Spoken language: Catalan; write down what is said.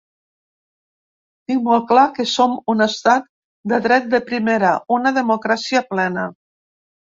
Tinc molt clar que som un estat de dret de primera, una democràcia plena.